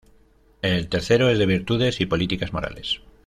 El tercero es de virtudes y políticas morales.